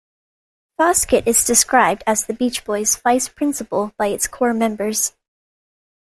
Foskett is described as The Beach Boys' "vice principal" by its core members.